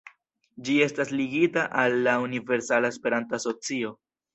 Ĝi estas ligita al la Universala Esperanto-Asocio.